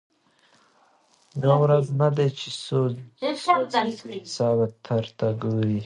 یو وزر نه دی چي سوځي بې حسابه درته ګوري